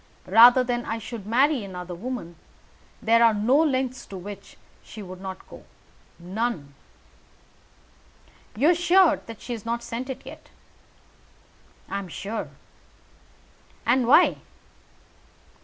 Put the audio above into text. Rather than I should marry another woman, there are no lengths to which she would not go none." "You are sure she has not sent it yet?" "I am sure." "And why?"